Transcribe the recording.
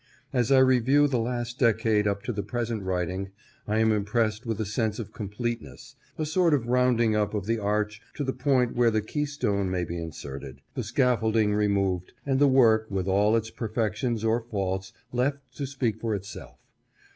As I review the last decade up to the present writing, I am impressed with a sense of completeness ; a sort of rounding up of the arch to the point where the keystone may be inserted, the scaffolding removed, and the work, with all its perfec tions or faults, left to speak for itself.